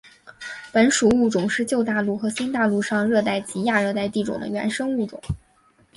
本属物种是旧大陆和新大陆上热带及亚热带地区的原生物种。